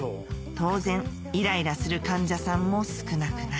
当然イライラする患者さんも少なくない